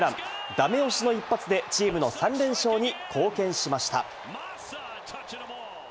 だめ押しの一発でチームの３連勝に貢献しました。